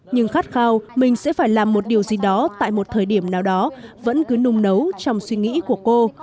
nhưng khát khao mình sẽ phải làm một điều gì đó tại một thời điểm nào đó vẫn cứ nung nấu trong suy nghĩ của cô